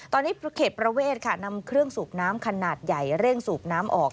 ตอนนี้เขตประเวทค่ะนำเครื่องสูบน้ำขนาดใหญ่เร่งสูบน้ำออก